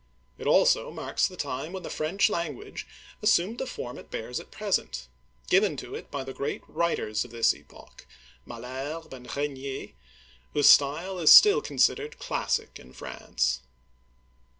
It also marks the time when the French language assumed the form it bears at present, given to it by the ^reat writers of this epoch (Malherbe and Regnier), whose style is still considered classic in France.